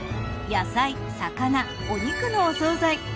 野菜魚お肉のお惣菜。